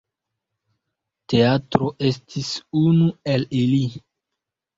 Teatro estis unu el ili.